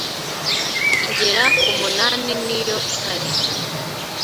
igera ku munani niyo ihari